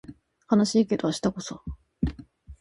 悲しいけど明日こそ